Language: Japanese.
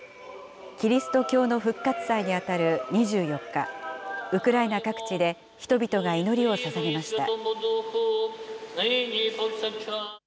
キリスト教の復活祭に当たる２４日、ウクライナ各地で人々が祈りをささげました。